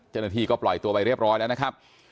เจ้าหน้าที่ก็ปล่อยตัวไปเรียบร้อยแล้วนะครับ